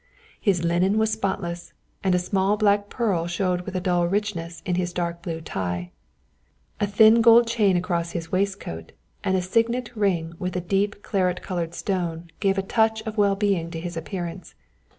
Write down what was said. His linen was spotless, and a small black pearl showed with a dull richness in his dark blue tie. A thin gold chain across his waistcoat and a signet ring with a deep claret coloured stone gave a touch of well being to his appearance.